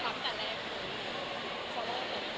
ตามกันแรก